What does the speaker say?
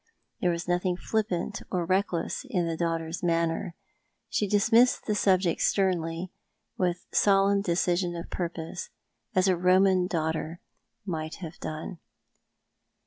Tliero was nothing flippant or reckless in the daughter's manner. She dismis.sud the subject sternly, with solemn decision of imrpose, as a Koman daughter might have done.